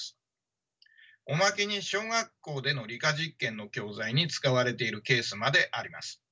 おまけに小学校での理科実験の教材に使われているケースまであります。